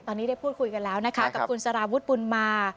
ตอนนี้ได้พูดคุยกันแล้วนะคะกับคุณสารวุฒิบุญมา